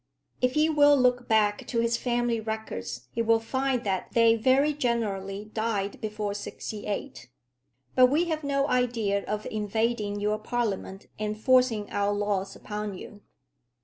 "If he will look back to his family records he will find that they very generally died before sixty eight. But we have no idea of invading your Parliament and forcing our laws upon you."